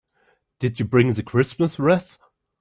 Did you bring the Christmas wreath?